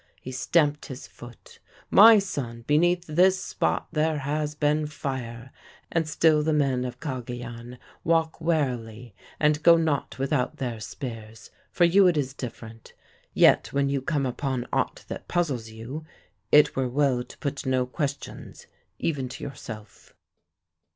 He stamped his foot. 'My son, beneath this spot there has been fire, and still the men of Cagayan walk warily and go not without their spears. For you it is different; yet when you come upon aught that puzzles you, it were well to put no questions even to yourself.'